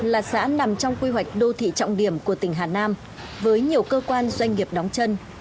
là xã nằm trong quy hoạch đô thị trọng điểm của tỉnh hà nam với nhiều cơ quan doanh nghiệp đóng chân